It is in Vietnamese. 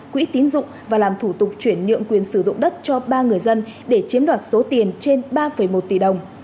quỹ tín dụng và làm thủ tục chuyển nhượng quyền sử dụng đất cho ba người dân để chiếm đoạt số tiền trên ba một tỷ đồng